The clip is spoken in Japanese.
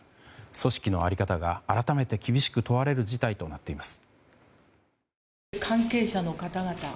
組織の在り方が改めて厳しく問われる事態となっています。